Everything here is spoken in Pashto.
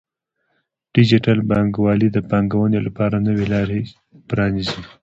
ډیجیټل بانکوالي د پانګونې لپاره نوې لارې پرانیزي.